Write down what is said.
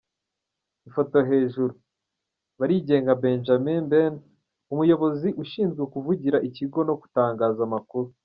Ifotohejuru : Barigenga Benjamin Ben, umuyobozi ushinzwe kuvugira ikigo no gutangaza amakuru.